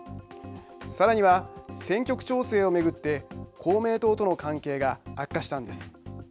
さらには、選挙区調整を巡って公明党との関係が悪化したんです。